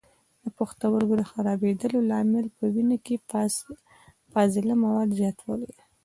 د پښتورګو د خرابېدلو لامل په وینه کې د فاضله موادو زیاتولی دی.